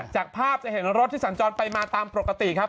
จากภาพจะเห็นรถที่สัญจรไปมาตามปกติครับ